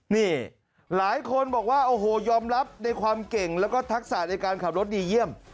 นี่หลายคนบอกว่าโอ้โหยอมรับในความเก่งแล้วก็ทักษะในการขับรถดีเยี่ยม